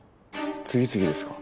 次々ですか？